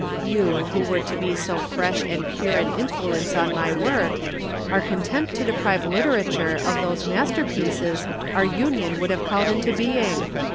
You, who were to be so fresh and pure an influence on my work, are content to deprive literature of those masterpieces our union would have called into being!